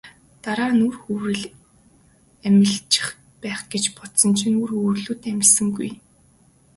Дараа нь үр хөврөл амилчих байх гэж бодсон чинь үр хөврөлүүд амилсангүй.